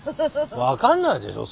分かんないでしょ